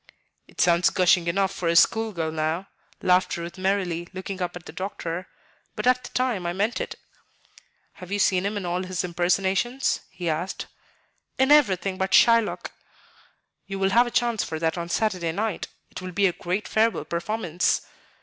"It sounds gushing enough for a school girl now," laughed Ruth merrily, looking up at the doctor; "but at the time I meant it." "Have you seen him in all his impersonations?" he asked. "In everything but 'Shylock.'" "You will have a chance for that on Saturday night. It will be a great farewell performance."